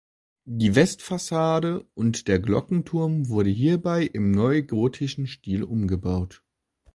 Die Westfassade und der Glockenturm wurden hierbei im neugotischen Stil umgebaut.